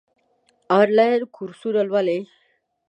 آنلاین کورسونه لولئ؟